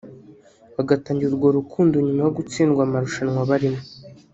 bagatangira urwo rukundo nyuma yo gutsindwa amarushanwa barimo